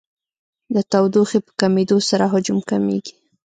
د تودوخې په کمېدو سره حجم کمیږي.